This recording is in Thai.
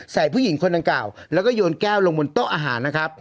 ผู้หญิงคนดังกล่าวแล้วก็โยนแก้วลงบนโต๊ะอาหารนะครับ